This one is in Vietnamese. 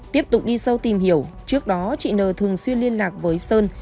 tiếp tục đi sâu tìm hiểu trước đó chị n thường xuyên liên lạc với sơn